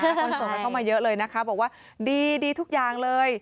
คนส่งไปเข้ามาเยอะเลยนะคะบอกว่าดีทุกอย่างเลย